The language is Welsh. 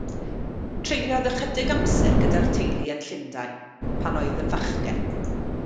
Treuliodd ychydig amser gyda'r teulu yn Llundain, pan oedd yn fachgen.